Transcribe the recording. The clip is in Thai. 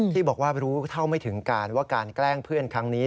ที่บอกว่ารู้เท่าไม่ถึงการว่าการแกล้งเพื่อนครั้งนี้